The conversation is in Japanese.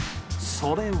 それは。